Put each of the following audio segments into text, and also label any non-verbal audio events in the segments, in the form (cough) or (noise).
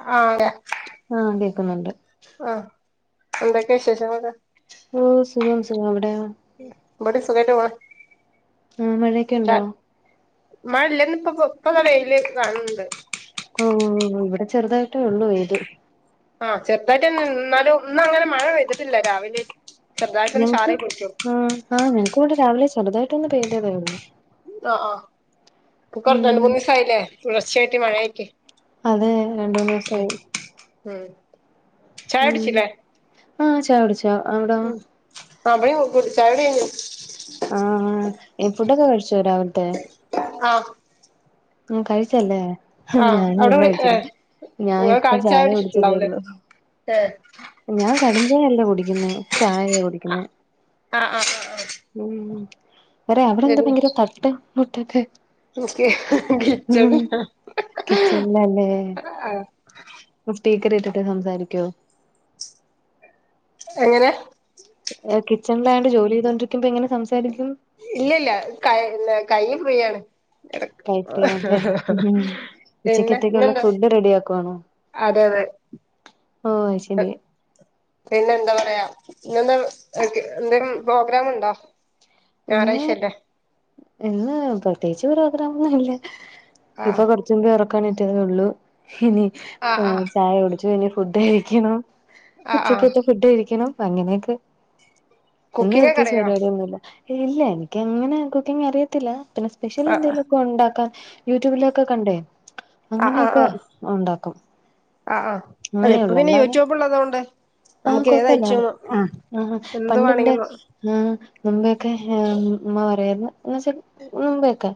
അ ആ അതെ ആഹ് കേക്കുന്നുണ്ട് അ ആഹ എന്തൊക്കെ വിശേഷങ്ങളൊക്കെ. ഓ സുഖം സുഖം അവിടെയാ. ബടെ സഖേ ോള (unintelligible) ഉം മഴയൊക്കെ ഉണ്ടോ മഴല്ലന്ന് ഇപ്പ ഇപ്പൊ വെയില് കാണണ്ട് ഉം ഇവിടെ ചെറുതായിട്ടേ ഉള്ളൂ ഇഏത് ആഹ് ചെറുതായിട്ട് (unintelligible) എന്നാലും ഇന്ന് അങ്ങനെ മഴ പെതിട്ടില്ല രാവിലെ ചെറുതായിട്ടൊന്ന് ഞങ്ങക്ക് ചാറി പിടിച്ചു ആ ആ് ഞങ്ങക്കക്ക് ഇവിടെ രാവിലെ ചെറുതായിട്ട് ഒന്ന് പൈതതെ ഉള്ളു ആഹ ആഹ് നക്ക (unintelligible) റ രണ്ട ഉം മൂന്ന് ദിവസ ആയില്ലേ തുട ർച്ചായിട്ട് മഴയായിട്ട് അതെ രണ്ട മൂന്ന് ദിവസ ഉം ആയി ഉം ചായ ഉഹ് മ് കുടിച്ചില്ലേ ആഹ ചായട്ച അവിടാ. അ വീടിം കുടി ചായുടിയഴിഞ്ഞു. ആഹ് ഏ ഫുഡൊക്കെ കഴിച്ചു രാവിലത്തെ ആഹ് ഉം കഴിച്ചല്ലേ ഹാ ആഹ് ഞാൻ അവിടെ കുടി എന്തഴി (unintelligible) ഏഹ് ച്ചില്ല ഞാൻ ഇങ്ങള് ഇപ്പം കാലിചായ ചായ കുടിച്ചിട്ടുണ്ടാവൂലേ കുടിച്ചതേയുള്ളു. ഏഹ് ഞാൻ കട്ടൻ (unintelligible) ചായ അല്ല കുടിക്കുന്നേ ചായയ കുടിക്കുന്നേ. ആ ആ (unintelligible) മ് മ് ര അവിടെ എന്താ ഭയങ്കര തട്ട് മുട്ടൊക്കെ? (unintelligible) (unintelligible) കിച്ചൺലാ (unintelligible) മ് സ്പീക്കറീട്ടിട്ട് സംസാരിക്കോ? എങ്ങനെ? ഏഹ് കിച്ചണിലായോണ്ട് ജോലി ചെയ്തോണ്ടിരിക്കുമ്പോ എങ്ങനെ സംസാരിക്കും? ഇല്ലല്ല പിന്നെ കൈ ഫ്രീയാണ്. എട കൈഫ്രീയാല്ലേ ഉം പിന്നെ ഉച്ചക്കത്തേക്കുള്ള പിന്നെന്താ? ഫുഡ് റെഡി ആക്കുവാണോ അതെ അതെ ഒ ഓ അയ്ശരി. പിന്നെ എന്താ പറയാ ഇന്നെന്താ എന്തേലും പ്രോഗ്രാമുണ്ടോ? ഇന്ന് ഞായറാഴ്ച അല്ലേ ഇന്ന് പ്രത്യേകിച്ച് പ്രോഗ്രാമൊന്നും ഇല്ല. ഇപ്പൊ ആഹ് പ്ര. (unintelligible) പറക്കനിട്ടത്തെ ഉള്ളു ഇനി ആഹ് മ് ആഹ് ചായ കുടിച്ച് നി ഫുഡ് കഴിക്കണം. ആഹ് ആഹ് ഉച്ചയ്ക്കത്തെ ഫുഡ് കഴിക്കണം അങ്ങനെയൊക്കെ ഇന്ന് കുക്കിംഗ് ഒക്കെ പ്രത്യേകിച്ച് അറിയോ പരിപാടി ഒന്നൂല്ല. ഇല്ല എനിക്ക് അങ്ങനെ കുക്കിംഗ് അറിയത്തില്ല. പിന്നെ സ്പെഷ്യൽ ആഹ് എന്തേലൊക്കെ ഉണ്ടാക്കാൻ യൂട്യൂബിലൊക്കെ കണ്ടേ അങ്ങനെയൊക്ക ഉണ്ടാക്കും. ആ ആ അല്ല ഇപ്പ അങ്ങനെയുള്ളൂ പിന്നെ അല്ലാതെ യൂട്യൂബ്ള്ളതോണ്ട്. ആഹ് നമുക്ക് കൊഴപ്പല്ല ഏതയ്റ്റവും ഉമ് എന്ത് വേണെങ്കി. ആഹ മുമ്പോക്കെ ഉമ്മ പറയായിരുന്നു എന്നുവച്ച മുമ്പയൊക്കെ.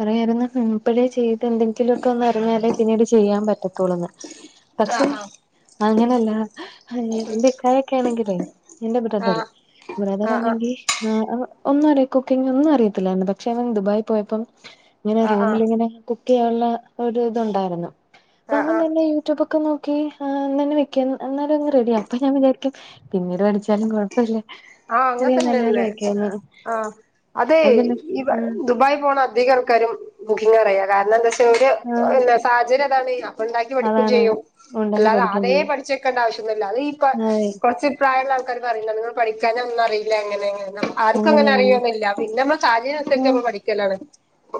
പറയായിരുന്നു മ് ഇപ്പഴേ ചെയ്ത് എന്തെങ്കിലും ഒക്കെ ഒന്ന് അറിഞ്ഞാലേ പിന്നീട് ചെയ്യാൻ പറ്റത്തുള്ളൂന്ന്. പക്ഷെ ആഹ് അങ്ങനല്ല എന്റെ ഇക്കായൊക്കെ ആണെങ്കിലേ എന്റെ ബ്രദർ ആഹ് ആഹ് ആഹ് ബ്രദറാണെങ്കിൽ. ആ അ ഒന്നും അറിയ കുക്കിംഗ് അ ഒന്നും അറിയത്തില്ലായിരുന്നു പക്ഷെ അവൻ ദുബായി പോയപ്പം. ഇങ്ങനെ ആഹ് ആഹ് ആഹ് റൂമിലിങ്ങനെ കുക്ക് ചെയ്യാനുള്ള ഒരു ഇതുണ്ടായിരുന്നു അപ്പ ആഹ് അവൻ ആഹ് തന്നെ യൂ. ടൂബൊക്കെ നോക്കി അ എ എങ്ങനെ വെക്കനു എന്നാലു അങ്ങ. റെഡിയ അപ്പം ഞാൻ വിചാരിക്കും. പിന്നീട് പഠിച്ചാലും കുഴപ്പല്ല. ആഹ അങ്ങനെത്തന്നെള്ളെ അ ആ അത അതല്ല ഇ ഉം ദുബായ് പോണ അധിക ആ. ക്കാരും കുക്കിങ്ങ് അറിയ കാരണം എന്താ വച്ചാ ആഹ് എന്റെ ഏഹ് സാഹചര്യതാണ്. അ ഉണ്ടാക്കി പഠിക്കും അതാണ് ചെയ്യും ഉണ്ടാക്കി അല്ലാതെ പഠിക്കേം ആതേ ചെയ്യും പഠി. ക്കണ്ട ആവശ്യയോന്നുല്ല അത് ഈ അതെ കുറച്ചു പ്രായം ഉള്ള ആൾക്കാർ ക്കാര് പറിംന്നർഞ്ഞ് ഇങ്ങൾ പഠിക്കാനൊന്നും അറിയില്ല അങ്ങനെ ഇങ്ങനെ ആർക്കും അങ്ങനെ അറിയൊന്നുല്ല പിന്നെ അമ്മൾ കാര്യാ ഉം ക്കെമ്മള് പഠിക്കലാണ്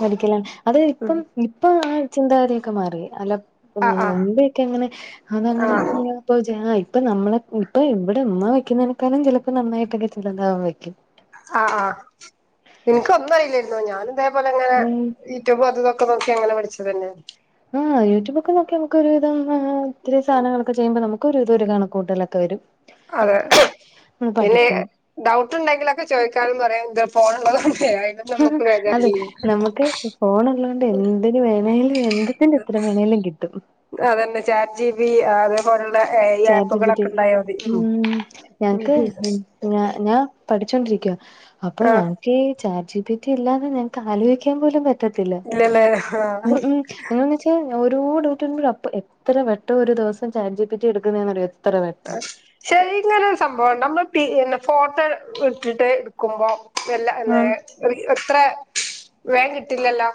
പഠിക്കലാണ് അത് ഉം ഇപ്പം ഇപ്പ ആ ചിന്താഗതിയൊക്കെ മാറി അലം ഉ ആഹ് മ് ആഹ് മ്പയൊക്കെ അങ്ങനെ അതങ്ങനെ. ആഹ് (unintelligible) ഇപ്പൊ ജെ ആ ഇപ്പൊ നമ്മളെ ഇപ്പൊ ഇവിടെ ഉമ്മ വെക്കുന്നതിനേക്കാളും ചിലപ്പോ നന്നായിട്ടൊക്കെ ചിലപ്പൊ ഞാൻ വെയ്ക്കും. ആ് ആഹ ഇൻക്ക് ഒന്നും അറിയില്ലായിരുന്നു. ഞാനും ഇതേപോലെ ഇങ്ങനെ. ഉം യു ട്യൂബും അതും ഇതൊക്കെ നോക്കി അങ്ങനെ പഠിച്ചതന്നെ. ആ യൂട്യൂബ് ഒക്കെ നോക്കി നമുക്ക് ഒരുവിധം ആ ഒത്തിരി സധനങ്ങളൊക്കെ ചെയ്യുമ്പോ നമുക്ക് ഒരു വിധം കണക്കൂട്ടലൊക്കെ വരും. അതെ നമ്മള് പിന്നെ പഠിക്കും ഡൗട്ട് ണ്ടെങ്കിലൊക്കെ ചോദിക്കാനും പറയാനും ദ ഫോൺ ള്ളതോണ്ട് അയിനൊന്നു നമുക്ക് അതെ ബേചാറില്ലേനു. നമുക്ക് ഫോൺള്ളോണ്ട് എന്തിന് വേണേലും എന്ത ത്തിന്റെ ഉത്തരം വേണേലും കിട്ടും. അതന്നെ ചാറ്റിബി അതെ. പോല്ള്ള A I chat G P T ആപ്പുകളൊക്കെ ഉണ്ടായപ്പൊയേക്കും ഉം ഞങ്ങക്ക് ഞ ഞാം പഠിച്ചോണ്ടിരിക്ക്യാ അപ്പ ഞാ ആഹ് ചാറ്റ് ജിപിറ്റി ഇല്ലാതെ നമുക്ക് ആലോചിക്കാൻ പോലും പറ്റത്തില്ല ഇല്ലല്ലേ മ് ആഹ് മ് എന്താന് വെച്ചാ ഓരോ ഡൌട്ട് വരുമ്പോ അപ്പ എത്ര വെട്ടം ഒര് ദിവസം ചാജിബിറ്റി എട്ക്ക്ന്നൂന്നറിയോ ആ ശരി ഇങ്ങനൊര് സംഭവണ്ടോ നമ്മള് പി ഫോട്ടോ ഇട്ട്ട്ട് ഇട്ക്കുമ്പോ എല്ല ലെ ആഹ് റീ എത്ര വേഗം കിട്ടില്ലല്ലോ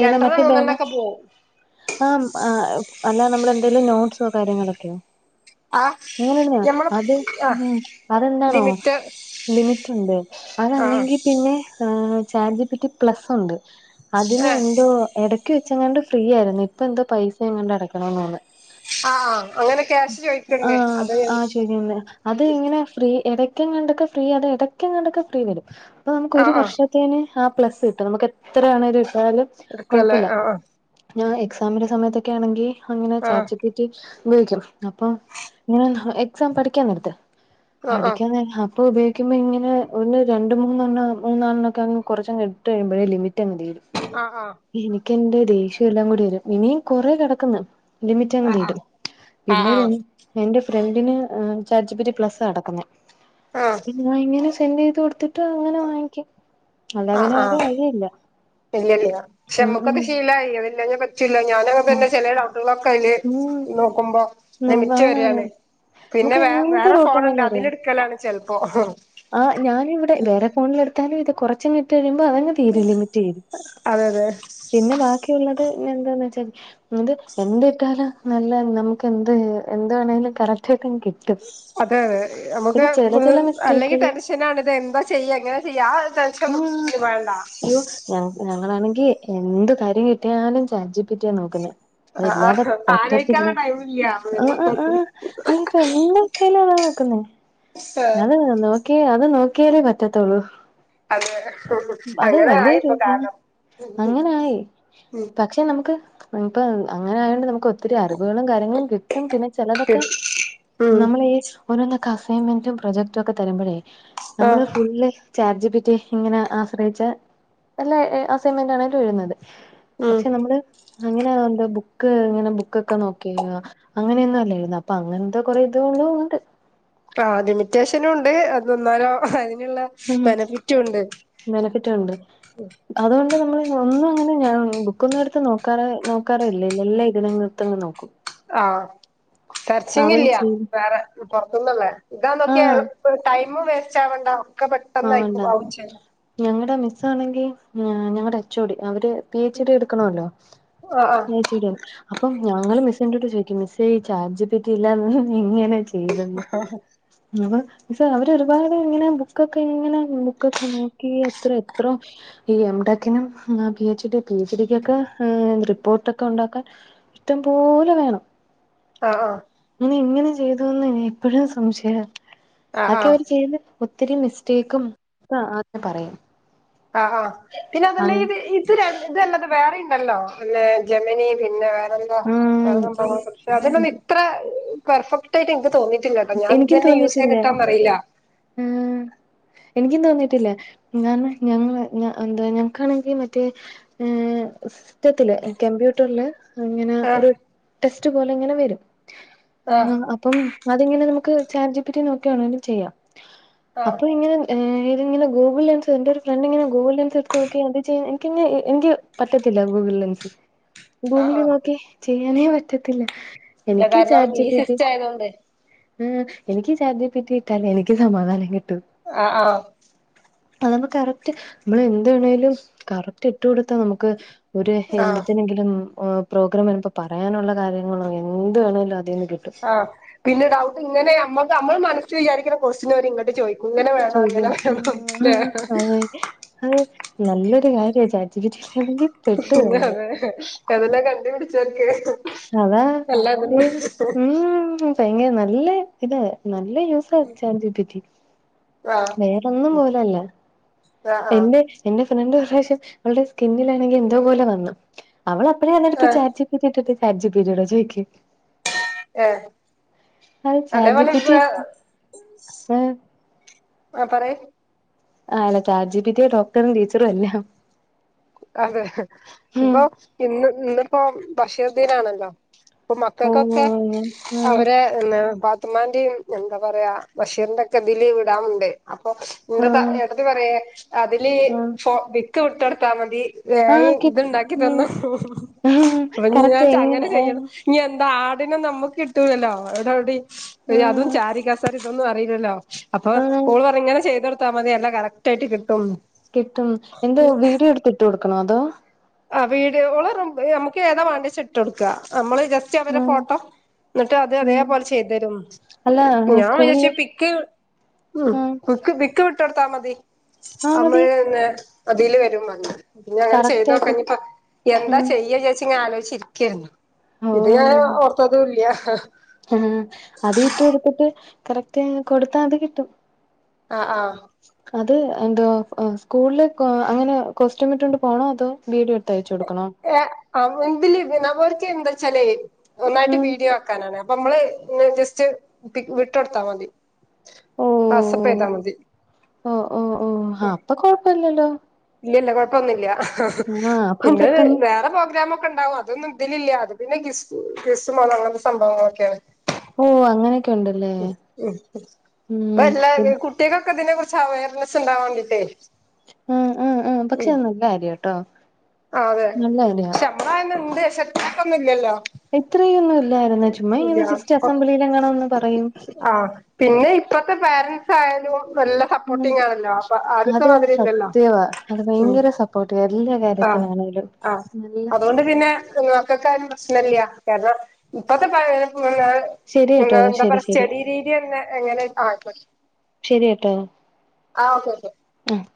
ഏതാ രണ്ടെണ്ണം മറ്റേ മൂന്നെണ്ണം ബേന ഒക്കെ പോവും ആഹ് ആഹ് അല്ലാ നമ്മളെന്തേലും നോട്സോ കാര്യങ്ങളൊക്കെയോ ആഹ് അങ്ങനെന്നാ ഞമ്മള് അത് ആഹ് മ് അതെന്താനോ ലിമിറ്റ് ലിമിറ്റുണ്ട് ആഹ് അതല്ലെങ്കിപിന്നെ ചാർജിബിറ്റി പ്ലസൊണ്ട് ഇതിന് ഏഹ് എന്തോ എടക്ക് വെച്ചങ്ങാണ്ട് ഫ്രീ ആയിരുന്നു ഇപ്പ എന്താ പൈസ എങ്ങണ്ട് അടക്കണന്ന് തോന്ന് ആഹ് ആഹ് അങ്ങനെ ക്യാഷ് ചോദിക്കണ്ടേ ആഹ് അത് ആഹ് ശെരിന്നെ. അത് ഇങ്ങനെ ഫ്രീ എടക്കെങ്ങാണ്ടോ ഫ്രീ. എടക്കെങ്ങാണ്ടൊക്കെ ഫ്രീ വെരും. അപ്പൊ നമുക്ക് ഒരു ആഹ് വർ ആഹ് തിന് ആ പ്ലസ്സ് കിട്ടും നമുക്ക് എത്ര ആണേങ്കിലും കിട്ടാലും എടുക്കല്ലേ കൊഴപ്പില്ല. ആ ഞൻ എക്സാമിന്റെ സമയത്തൊക്കെ ആണെങ്കി അങ്ങനെ ആ ചാ ജിപിറ്റി ഉപയോഗിക്കും അപ്പൊ ഇങ്ങനെ എക്സാം പഠിക്കൻ എടുത്ത്. ആ ആ പഠിക്കാനേരം അപ്പ ഉപ യോഗിക്കുമ്പോ ങ്ങനെ ഒന്ന്‌, രണ്ട്, മൂന്നെണ്ണം, മന്നെലണ്ണൊക്കെ കൊറച്ചങ് ഇട്ട്ഴിയുമ്പോഴേ ലിമിറ്റങ്ങ് തീരും. ആഹ് ആഹ് എനിക്കെന്റെ ദേഷ്യംല്ലാം കൂടി വെരും ഇനീം കൊറേ കെടക്ക്ന്ന്. ആ ആ ലിമിറ്റങ്ങ് ആ തീരും പിന്നൊര് ആ എന്റെ ഫ്രണ്ടിന് ചാറ്റ് ജീപിറ്റി പ്ലസാ നകടക്കുന്നേ. ആഹ് പിന്നങ്ങനെ സെന്റ് ചെയ്ത് കൊട്ത്തിട്ട് അങ്ങനെ വാങ്ങിക്കും. അല്ലാതെ ആഹ് പിന്നെ വേറെ ആഹ് വഴിയില്ല ഇല ഇല്ല പക്ഷെ ഉം നമ്മകൊ ഉം ശീലായി ചില്ല ഞാനങ്ങനെ തനെ ചേലോ (unintelligible) ക്കയ്ല് ഉം നോക്കുമ്പോ ഉം ലിമിറ്റ് ആണാണ് വരെണ് പിന്നെ നമുക്ക് വേ വേറെ എന്തൊരു ഫോണ്‍ട്. ഡൗട്ടാണേലും അറിയാം അതില്ട്ക്കലാണ് ചെൽപ്പോ. ആഹ് ഞാനിവടെ വേറെ ഫോണിലെട്ത്താലും. ഇത് കൊർച്ചിങ്ങട്ട് വരുമ്പോ തീരും ലിമിറ്റ്. അതെ അതെ പിന്നെ ബാക്കിള്ളത് എന്താന്ന് വെച്ചാല്. ഇത് എന്ത് ഇട്ടാലും നല്ല നമ്മക്ക് എന്ത് എന്ത് ആണേലും കരക്റ്റ്. ആയിട്ട അതെ അതെ നമ്മക്ക് ചെല അല്ലെങ്കി മിസ്റ്റേക്കുകള് തരചി എങ്ങനെണ്ട് തെരുമ്പ ചെയ്യാ എങ്ങനെ ചെയ്യാ ആ ഒര് ടെൻഷൻ ആഹ് വേണ്ട. അയ്യോ ഞ ഞങ്ങളാണെങ്കി എന്ത് കാര്യം കിട്ടിയാലും ചാറ്റ്ജീപിററിയാ നോക്കുന്നേ. ആ എല്ലാതെ പറ്റത്തില്ല ആലോയിക്കാനുള്ള ടൈമില്ല ഹ് ഹ് ഹ് അത്പ്പൊ എന്ത് ക്കിടാലും. ആത നോക്കുന്നെ. ആ ഞാന് നോക്കി അത് നോക്കിയാലേ പറ്റത്തൊള്ളൂ. അതെ അങ്ങനെ ആയിപ്പ കാരണം. അങ്ങനൊയി പക്ഷെ നമുക്ക്. ഇപ്പോ അങ്ങനെആയോണ്ട് നമുക്ക് ഒത്തിരി അറിവുകളും കാര്യങ്ങളും കി ടും പിന്നെ ചിലതൊക്കെ ഉം നമ്മള് ഈ ഓരോന്നൊക്കെ അസൈമെന്റും, പ്രൊജക്ടും, ഒക്കെ തരുമ്പോഴേ നമ്മള് ആഹ് ഫുള് ചാർജീപ്പിറ്റി ഇങ്ങനെ ആശ്രയിച്ച എല്ലാ അസൈൻമെന്റ് ആണേലും എഴുതു ന്നത്. ഉം പക്ഷെ നമ്മള് അങ്ങനെ എന്തോ ബുക്ക് ങ്ങനെ ബുക്കൊ നോക്കി. അങ്ങനെയൊന്നും അല്ലായിരുന്നു അപ്പൊ അങ്ങനത്തെ കൊറേ ഇതാളും ഉട്. ആഹ് ലിമിറ്റേഷനുണ്ട്. അത് ന്നാലോ അതിന്ള്ള മ് ബെനഫിറ്റ്ഉണ്ട്. അതോണ്ട് നമ്മള് ഒന്നും അങ്ങനെ ഞാൻ ബുക്കൊന്നും എടുത്ത് നോക്കാ നോക്കാറേഇല്ല. എല്ലാം ഇതിലാ പുസ്തകങ്ങൾ നോക്കും. ആഹ് അതും സെർച്ചിങ്ങില്ല. ചെയ്യും വേറെ പൊർത്ത്ന്ന്ള്ളെ ഇതാ നോക്കി ആഹ് പ് ടൈമും വേസ്റ്റ് അവണ്ട. ആ വേണ്ട ഞങ്ങടെ മിസ്സ ആണെങ്കിൽ ഞങ്ങളടെ അച്ചോടി അവര്. പി എച്ച് ഡി ഇടുക്കണല്ലോ ആഹ് ആഹ് പി എച്ച് ഡി അപ്പം ഞങ്ങള് മിസ്സ്എത് ചോദിക്കും. മിസോ ചാർജ് പറ്റിയില്ലതൊ ഇങ്ങനെ. (unintelligible) അപ്പൊ അവര് ഒരുപാട് ഇങ്ങനെ ബുക്കൊക്കെ ഇനെ ബുക്ക് ഒക്കെ നോക്കി എത്ര എത്ര. ഈ എം ടെക്കിനും P H D P G ഡിക്ക്ക്കെ റിപ്പോർട്ട്ടൊക്കെ ഉണ്ടാക്കാൻ. ഇറ്റം പോലെ വേണം. ആഹ് ആഹ് ഇ ഇങ്ങനെ ചെയ്തുന്ന് എപ്പോഴും സംശയ. ആഹ് അക്കെ ആഹ് അവര് ചെയ് ഒത്തിരി മിസ്റ്റേക്കും ആദ്യം പറയും. ആഹ് ആ ഹ് പിന്നെ അതല്ല അങ്ങ ഇത്. ഇത് ര ല്ലത് വേറെ ഉണ്ടല്ലോ പിന്നെ ജമനി പിന്നെ വേറെ. ആഹ് (unintelligible) അതിനൊന്നും ഇത്ര പെർഫെക്ട് ആയിട്ട് ഇൻക്ക് തോന്നി ട്ടില്ലട്ടോ ഞാൻ എനിക്കും ഇതന്നെ യൂസ് തോന്നിട്ടില്ല ചെയ്തിട്ടാന്ന അറിയില്ല ആഹ് എനിക്ക് തോന്നിട്ടില്ലേ ഞാൻ ഞങ്ങ എന്താ ഞങ്ങക്കാണെങ്കിൽ മറ്റേ ഏ സിറ്റത്തില് കമ്പ്യൂട്ടറില് അങ്ങനെ ആഹ് ഒരു ടെസ്റ്റ് പോലെ ഇങ്ങനെ വരും ആഹ് ങ് അപ്പം അതിങ്ങനെ നമുക്ക് ചാറ്റ് ജിപ്പിട്ടി നോക്കിയണെലും ചെയ്യാം ആഹ് അപ്പൊ ഇങ്ങനെ ഏ് ഇങ്ങനെ ഗുഗിൾ ലെൻസ് എന്റെര് ഫ്രണ്ട്ങ്ങനെ ഗുഗിൾ ലെൻസ് എടുത്ത് നോക്കി അത് ചെയ്യാ എനിക്കങ്ങ എനിക്ക് പറ്റത്തില്ല ഗൂഗിൾ ലൻസ് ആഹ് ഗൂഗിളിൽ ആഹ് നോക്കി ചെയ്യാനേ പറ്റത്തില്ല എനിക്ക് ചാറ്റ് ജി പി ടി അയ്നോണ്ടെ ഉം എനിക്ക് ചാറ്റ് ജി പി ട്ടി ഇട്ടാലേ എനിക്ക് സമാധാനം കിട്ടു ആഹ് ആഹ് അത് നമ്മ കറക്റ്റ് നമ്മൾ എന്ത് വേണേലും കറക്റ്റ് ഇട്ട് കൊടുത്ത നമുക്ക് ഒര് ആഹ് എന്തിത്തെനെങ്കിലും ഒ പ്രോഗ്രാം വരുമ്പ പറയാനുള്ള കാര്യങ്ങളോ എന്ത് വേണേങ്കിലും അതിൽന്ന് കിട്ടും ആ പിന്നെ ഡൗട്ട് ഇങ്ങനെ നമ്മക്ക് നമ്മൾ മനസ്ല് വിചാരിക്കുന്ന ക്വസ്റ്റ്യന് അവര് ഇങ്ങോട്ട് ചോദി ഇങ്ങനെ വേണ ചോദിക്കും അങ്ങനെ വേണം ലേ ആഹ് അതെ അത് നല്ലൊരു കാര്യ ചാച് ജി പിടിക ഇല്ലായിരിന്നെങ്കി പെട്ടു കഴിഞ്ഞ് അതെല്ല കണ്ടുപിടിച്ചോര്ക്കെ അത ഏ ഉം ഭയങ്കര നല്ല ഇത നല്ല യൂസാ ചാറ്റ് ജി പി റ്റി ആഹ് വേറെന്നും പോലല്ല ആഹ് ആഹ് എന്റെ എന്റെ ഫ്രണ്ട് ഒരാർശ്യം അവളുടെ സ്കിന്നിലാണെങ്കിൽ എന്തോ പോലെ വന്നു അവള അപ്പഴേ അതെടുത്ത് ആഹ് ചാറ്റ് ജി ട്ടിട്ട് ചാറ്റ് ജി പി ടി യോട ചോയിക്ക ഏ അതേപോല പി ടി വാ ഏഹ് (unintelligible) ആഹ് ചാജിബിട്ടി ഡോക്ടറും ടീച്ചറും എല്ലാം അതെ ഉം ഇപ്പൊ ഇന്ന് ഇന്നിപ്പോ ഭക്ഷ്യ ദീനാണല്ലോ ഇപ്പൊ ഓഹ് മക്കൾക്കൊക്കെ ആഹ് അവരെ എന്ന പാത്തുമ്മാന്റേ എന്താ പറയാ ബഷീറിന്റെ ഒക്കെ ദില് വിടാവുണ്ട് അപ്പൊ ഇന്റെ ത ആഹ് ഏട്ടതി പറയെ അതില് ആഹ് ഫോ പിക്ക് വിട്ടൊടുത്താ മതി ഏ ആഹ് ഐ ആഹ് കിട്ട് ഇത്ണ്ടാക്കി ഉം തന്നോളും ഉം അപ്പൊ ഞ് ഞാ കറക്റ്റ് വിചാരിച്ച് അങ്ങനെ എങ്ങനെ ആഹ് ചെയ്യണം ഇനി എന്താ ആടിനെ നമുക്ക് കിട്ടൂലല്ലോ അവിടെവിടി അതും ആഹ് ചാരി കസേ ഇതൊന്നും അറിയില്ലല്ലോ അപ്പൊ ആഹ് ഓൾ പറ ഇങ്ങനെ ചെയ്തൊടുത്താൽ മതിയല്ല കറക്റ്റ് ആയിട്ട് കിട്ടും കിട്ടും എന്തോ വീഡിയോ എടുത്തിട്ട് കൊടുക്കണോ അതോ ആ വീഡിയോകൾ നമുക്ക് ഏതാ വേണ്ടിച്ച ഇട്ട് കൊടുക്കുക നമ്മള് ജസ്റ്റ് അവടെ ഉം ഫോട്ടോ ന്നട്ട് അത് ഉം അതേപോലെ ചെയ്തരും അല്ല ഞാൻ വിചാരിച്ച് സ്കൂളില് പിക്ക് ഉം കുക്ക് ബി ക്ക് വിട്ടടുത്താ മതി ആഹ് അമ്മൾ മതി ന്നേ അതിൽ വരും മണ്ണ് ങ്ങനെ കറക്റ്റ് ചെയ്തോ ആയിട്ട് ഞ്ഞപ്പോ എന്താ ഉം ചെയ്യജാരിച്ച് ങ്ങനെ ആലോചിച്ചിരിക്കയിരുന്നു ഓ ഇത് ഞാന് ഓർത്തതും ഇല്ല ആഹ് അത് ഇട്ട് എടുത്തിട്ട് കറക്റ്റ് കൊടുത്താ അത് കിട്ടും ആഹ് ആഹ് അത് എന്ത സ്കൂളില് അങ്ങനെ കൊസ്റ്റ്യമിട്ടൊണ്ട് പോണോ അതോ വിഡിയോ എടുത്ത് അയച് കൊടുക്കണോ ഏ അ മുൻപില് ഇതിനാ ഒര്ക്ക് എന്താ ച്ചാലേ ഒന്നായിട്ട് ഉം വീഡിയോ ക്കാനാണ് അപ്പൊ നമ്മള് ജസ്റ്റ് വിട്ടൊട്ത്താ മതി ഓ വാട്സപ്പയ്താ മതി ഓ ഓ ഓ ആ അപ്പൊ കൊഴപ്പല്ലല്ലോ ഇല്ലല്ല കുഴപ്പൊന്നുല്ല ആഹ് അപ്പം പിന്നെ പെട്ടെന്ന് വേറെ പ്രോഗ്രാമക്കെ ഉണ്ടാവും അ തൊന്നും ഇതിലില്ല അത് പിന്നെ ഗിസ് ഗിസ് മോലം അങ്ങനത്തെ സംഭവങ്ങളൊക്കെയാണ് ഹോ അങ്ങനെ മം മം പ്പോ ഉം എല്ലാ കുട്ടികകൊക്കെ ഇതിനെ കുറച്ച് അവയർനെസ് ണ്ടാവാ വേണ്ടിട്ടേ മം മം മം പക്ഷെ ഉം അത് നല്ല കാര്യട്ടോ ആഹ് അതെ ഞമ്മളായാന്ന് ണ്ട് ശെ ഇത്രക്കൊന്നും ല്ലല്ലോ ഇത്രയൊന്നും ഇല്ലായിരുന്ന് ചുമ്മാ ഇങ്ങനെ ജസ്റ്റ് അസംബ്ലിയില് ഇങ്ങനന്ന് പറയും ആഹ് പിന്നെ ഇപ്പത്തെ പോരൻറ്സ് ആയാലും നല്ല ഉം സപ്പോർട്ടിങ് ആണല്ലോ അപ്പോ ആദ്യ ത്തെ മാതിരി ല്ലല്ലോ മ് സപ്പോർട്ട് എല്ല ആഹ് ആഹ് അതുകൊണ്ട് പിന്നെ ക്കകായാലും പ്രശ്നല്ല കാരണം ഇപ്പത്തെ പ പിനെ ശരി എന്ന കേട്ടോ എന്താ ശരി ശരി പറസ്റ്റഡി രീതി തന്നെ എങ്ങനെ ആ ശരി യട്ടോ ആഹ് ഓക്കെ ഓക്കെ ആഹ്